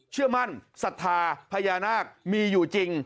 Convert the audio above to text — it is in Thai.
เชื่อมั่นศรัทธาพญานาคมีอยู่จริง